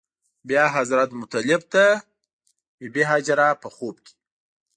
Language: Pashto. بیا حضرت مطلب ته بې بي هاجره په خوب کې.